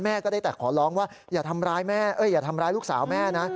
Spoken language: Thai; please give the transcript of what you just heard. แม่ก็ได้แต่ขอร้องว่าอย่าทำร้ายลูกสาวแม่นะ